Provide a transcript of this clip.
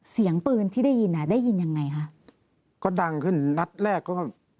เสียงปืนที่ได้ยินอ่ะได้ยินยังไงคะก็ดังขึ้นนัดแรกก็